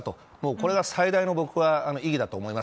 これが最大の僕は意義だと思います。